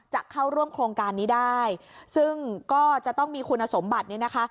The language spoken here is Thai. จะเข้าร่วมโครงการนี้ได้ซึ่งก็จะต้องมีคุณสมบัตินี้นะคะ